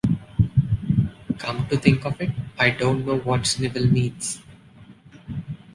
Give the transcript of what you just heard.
come to think of it, I don't know what snivel means.